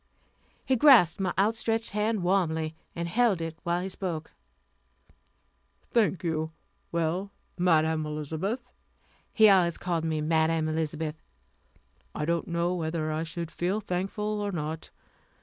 He grasped my outstretched hand warmly, and held it while he spoke: "Thank you. Well, Madam Elizabeth" he always called me Madam Elizabeth "I don't know whether I should feel thankful or not.